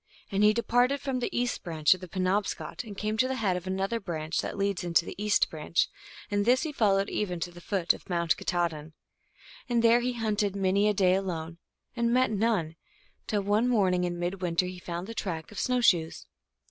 And he departed from the east branch of the Penobscot, and came to the head of another branch that leads into the east branch, and this he followed even to the foot of Mount Katahdin. 1 And there he hunted many a day alone, and met none, till one morning in midwinter he found the track of snow shoes.